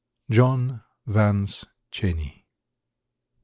—John Vance Cheney.